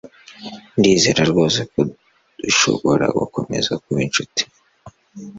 Ndizera rwose ko dushobora gukomeza kuba inshuti